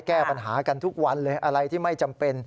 แก้ปัญหากันทุกวันเลยอะไรที่ไม่จำเป็น